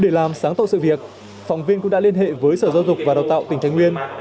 để làm sáng tạo sự việc phòng viên cũng đã liên hệ với sở giáo dục và đào tạo tỉnh thái nguyên